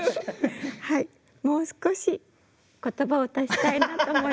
もう少し言葉を足したいなと思います。